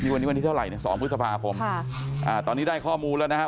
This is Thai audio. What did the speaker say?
วันนี้วันที่เท่าไหร่ใน๒พฤษภาคมตอนนี้ได้ข้อมูลแล้วนะครับ